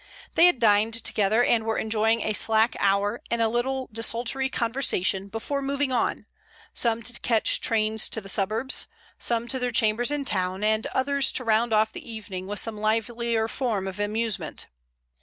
They had dined together, and were enjoying a slack hour and a little desultory conversation before moving on, some to catch trains to the suburbs, some to their chambers in town, and others to round off the evening with some livelier form of amusement.